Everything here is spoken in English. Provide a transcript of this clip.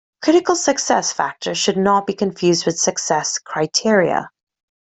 Critical success factors should not be confused with success "criteria".